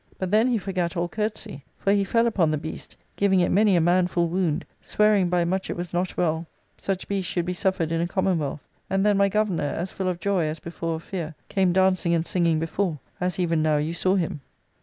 But then he forgat all courtesy, for he fell upon the beast, giving it many a manful wound, swearing by much it was not well such beasts should be suffered in a Commonwealth ; and then my governor, as full of joy as before of fear, came dancing and singing before, as even now you saw him."